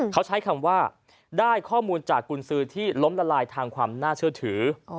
เขาใช้คำว่าได้ข้อมูลจากกุญสือที่ล้มละลายทางความน่าเชื่อถือ